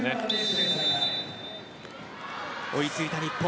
追いついた日本。